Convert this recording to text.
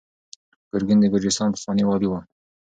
ګورګین د ګرجستان پخوانی والي و.